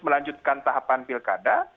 melanjutkan tahapan pilkada